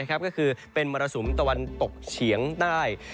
ก็คือเป็นมรสุมตะวันตกเฉียงใต้